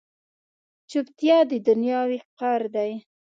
چوپتیا، د دنیا وقار دی.